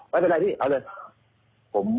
ไม่เป็นไรพี่เอาเลย